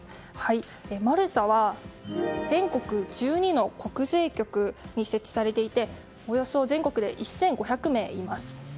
マルサは全国１２の国税局に設置されていておよそ全国で１５００名います。